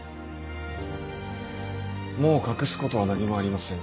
もう隠すことは何もありません